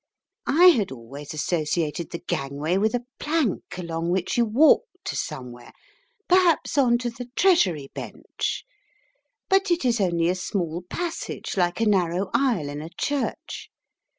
I had always associated "the gangway" with a plank along which you walked to somewhere perhaps on to the Treasury Bench. But it is only a small passage like a narrow aisle in a church.